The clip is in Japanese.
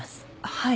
はい。